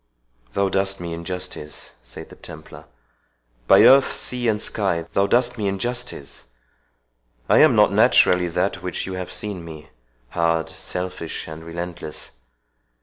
"Thou dost me injustice," said the Templar; "by earth, sea, and sky, thou dost me injustice! I am not naturally that which you have seen me, hard, selfish, and relentless.